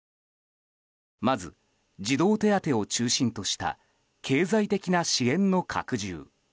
まず、児童手当を中心とした経済的な支援の拡充。